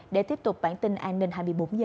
để tiếp tục bản tin an ninh hai mươi bốn h